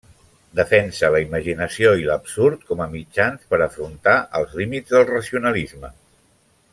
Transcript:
Defensà la imaginació i l’absurd com a mitjans per afrontar els límits del racionalisme.